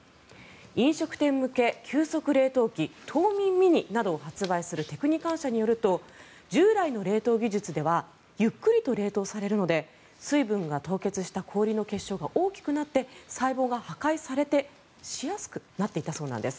飲食店向け急速凍結機凍眠ミニなどを発売するテクニカン社によると従来の冷凍技術ではゆっくりと冷凍されるので水分が凍結した氷の結晶が大きくなって細胞が破壊されやすくなっていたそうなんです。